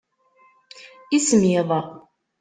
Ismiḍ.